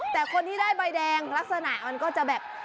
แต่คนที่ได้ใบแดงลักษณะมันก็จะแบบ